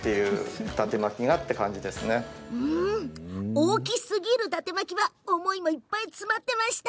大きすぎる、だて巻きは思いもいっぱい詰まっていました。